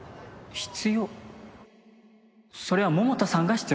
必要。